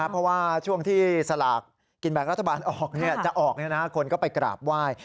เพราะว่าช่วงที่สลากกินแบ่งรัฐบาลออกจะออกคนก็ไปกราบไหว้